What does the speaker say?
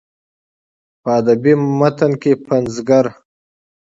په ادبي متن کې پنځګر